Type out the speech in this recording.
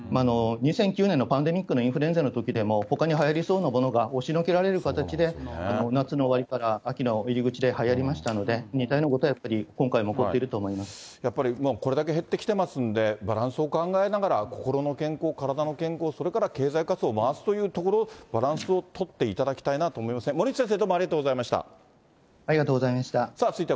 ２００９年のパンデミックのインフルエンザのときでもほかにはやりそうなものが押しのけられる形で、夏の終わりから、秋の入り口ではやりましたので、似たようなことは、今回も起こっていると思やっぱり、もうこれだけ減ってきていますので、バランスを考えながら、心の健康、体の健康、それから経済活動を回すというところ、バランスとっていただきたいなと思いますね、森内先生、どうもあありがとうございました。